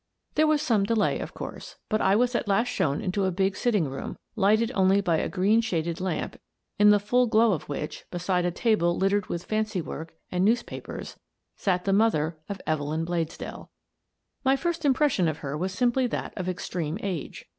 There was some delay, of course, but I was at last shown into a big sitting room, lighted only by a green shaded lamp, in the full glow of which, be side a table littered with fancy work and news papers, sat the mother of Evelyn Bladesdell. My first impression of her was simply that of extreme age.